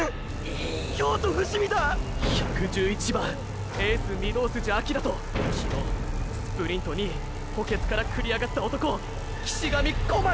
１１１番エース御堂筋翔と昨日スプリント２位補欠から繰り上がった男岸神小鞠！！